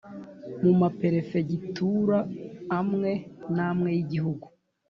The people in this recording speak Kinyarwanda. mu maperefegitura amwe n'amwe y'igihugu